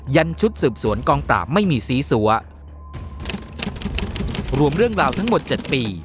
ันชุดสืบสวนกองปราบไม่มีซีซัวรวมเรื่องราวทั้งหมดเจ็ดปี